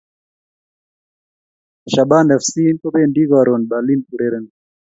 Shabana fc kobendi karon berlin urereni